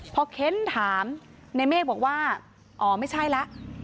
พอเค้นถามในเมฆบอกว่าอ๋อไม่ใช่แล้ว